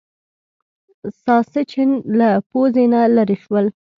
ساسچن له پوزې نه لرې شول.